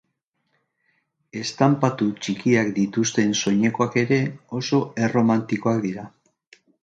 Estanpatu txikiak dituzten soinekoak ere oso erromantikoak dira.